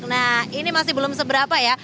nah ini masih belum seberapa ya